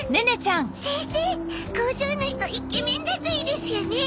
先生工場の人イケメンだといいですよね。